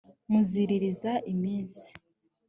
muziririza iminsi